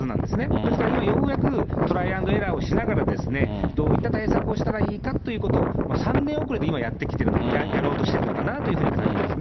ですから、今ようやく、トライ＆エラーをしながら、どういった対策をしたらいいかということを、３年遅れで今やって来てる、野郎としているのかなというふうに感じますね。